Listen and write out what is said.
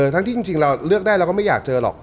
ทั้งที่จริงเราเลือกได้เราก็ไม่อยากเจอหรอก